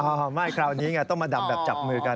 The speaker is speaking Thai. ไม่คราวนี้ไงต้องมาดำแบบจับมือกัน